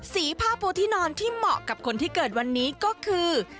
สีผ้าปูที่นอนที่เหมาะกับคนที่เกิดวันนี้ก็คือ